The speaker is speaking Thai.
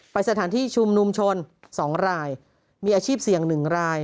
สถานที่ชุมนุมชน๒รายมีอาชีพเสี่ยง๑ราย